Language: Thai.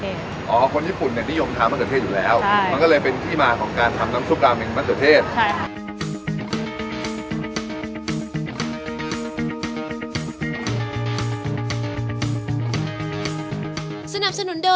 เหรอคนญี่ปุ่นนี่ยมตามะเขือเทศอยู่แล้ว